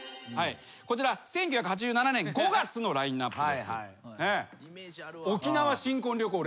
こちら１９８７年５月のラインアップ。